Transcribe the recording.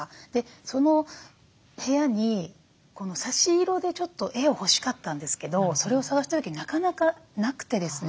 その部屋に差し色でちょっと絵を欲しかったんですけどそれを探した時になかなかなくてですね。